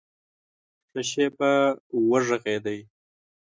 ښه شېبه وږغېدی !